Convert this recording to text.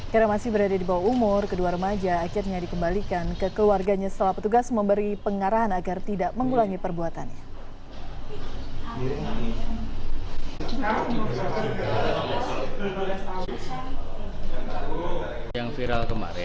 karena masih berada di bawah umur kedua remaja akhirnya dikembalikan ke keluarganya setelah petugas memberi pengarahan agar tidak mengulangi perbuatannya